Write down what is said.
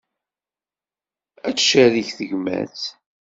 Ad tcerreg tegmat.